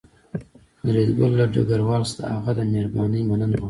فریدګل له ډګروال څخه د هغه د مهربانۍ مننه وکړه